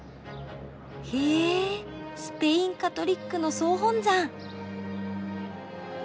へえスペインカトリックの総本山。